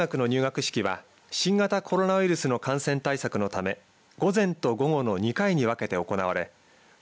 入学式は新型コロナウイルスの感染対策で午前と午後の２回に分けて行われます。